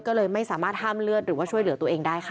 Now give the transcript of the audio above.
ก็เลยไม่สามารถห้ามเลือดหรือว่าช่วยเหลือตัวเองได้ค่ะ